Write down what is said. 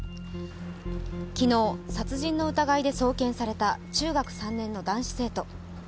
昨日、殺人の疑いで送検された中学３年の男子生徒。